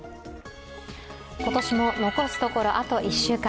今年も残すところあと１週間。